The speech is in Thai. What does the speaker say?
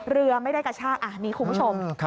เรือไม่ได้กระชากอันนี้คุณผู้ชม